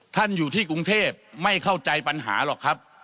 อยู่ที่กรุงเทพไม่เข้าใจปัญหาหรอกครับ